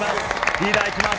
リーダーいきます。